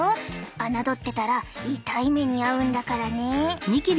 侮ってたら痛い目に遭うんだからね。